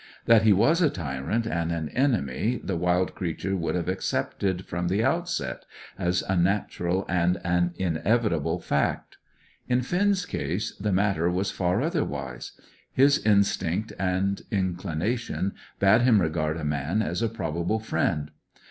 That he was a tyrant and an enemy the wild creature would have accepted from the outset, as a natural and an inevitable fact. In Finn's case the matter was far otherwise. His instinct and inclination bade him regard a man as a probable friend.